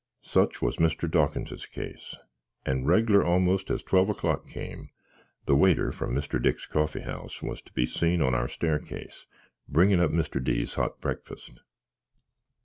Such was Mr. Dawkinses case; and reglar almost as twelve o'clock came, the waiter from Dix Coffy House was to be seen on our stairkis, bringin up Mr. D.'s hot breakfast.